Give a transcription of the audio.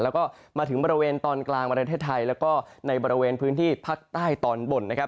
แล้วก็มาถึงบริเวณตอนกลางประเทศไทยแล้วก็ในบริเวณพื้นที่ภาคใต้ตอนบนนะครับ